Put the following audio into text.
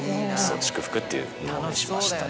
『祝福』っていうものにしましたね。